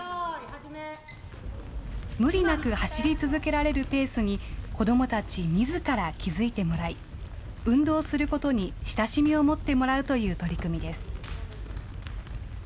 無理なく走り続けられるペースに子どもたちみずから気付いてもらい、運動することに親しみを持ってもらうという取り組みです。